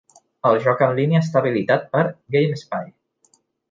El joc en línia està habilitat per GameSpy.